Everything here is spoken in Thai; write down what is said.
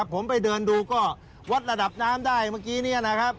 ผมไปเดินดูวัดระดับน้ำได้เมื่อกี้